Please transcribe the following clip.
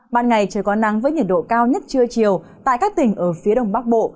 ban ngày trời có nắng với nhiệt độ cao nhất trưa chiều tại các tỉnh ở phía đông bắc bộ